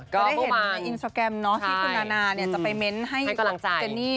ก็ได้เห็นในอินสตราแกรมเนาะที่คุณนานาจะไปเม้นต์ให้กับเจนนี่